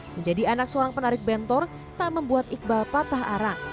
menjadi anak seorang penarik bentor tak membuat iqbal patah arang